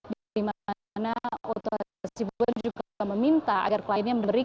di mana oto hasibawa juga meminta agar kliennya memberikan